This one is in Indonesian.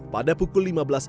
pada pukul lima belas empat puluh